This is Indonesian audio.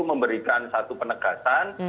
memberikan satu penegasan